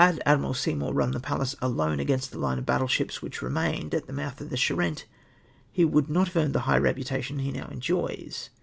Admiral Seymour run the Pallas alone amongst the line of battle ships which remained, at the mouth of the Charente, he would not have earned the higli re putation he now enjoys.